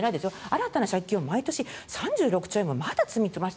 新たな借金を毎年３６兆円もまだ積んでる。